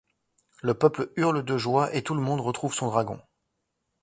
Le peuple hurle de joie et tout le monde retrouve son dragon.